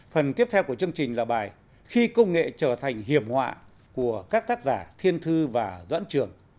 phần tiếp theo của chương trình là bài khi công nghệ trở thành hiểm họa của các tác giả thiên thư và doãn trường